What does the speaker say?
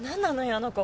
あの子。